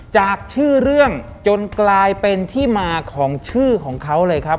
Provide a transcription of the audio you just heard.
จากชื่อเรื่องจนกลายเป็นที่มาของชื่อของเขาเลยครับ